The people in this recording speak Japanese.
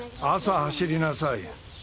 朝走りなさい。